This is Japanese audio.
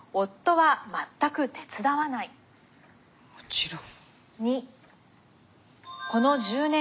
もちろん。